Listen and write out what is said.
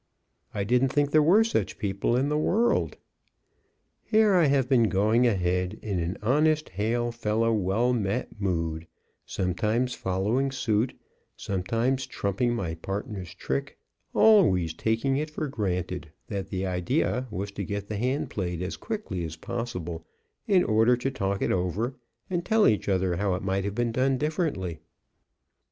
I didn't think there were such people in the world. Here I have been going ahead, in an honest, hail fellow well met mood, sometimes following suit, sometimes trumping my partner's trick, always taking it for granted that the idea was to get the hand played as quickly as possible in order to talk it over and tell each other how it might have been done differently.